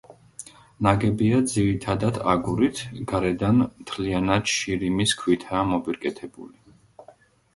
ნაგებია ძირითადად აგურით, გარედან მთლიანად შირიმის ქვითაა მოპირკეთებული.